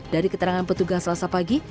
dari keterangan petugas selasa pagi